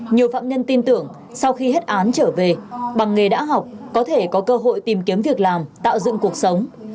nhiều phạm nhân tin tưởng sau khi hết án trở về bằng nghề đã học có thể có cơ hội tìm kiếm việc làm tạo dựng cuộc sống